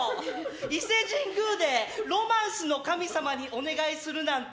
伊勢神宮で「ロマンスの神様」にお願いするなんて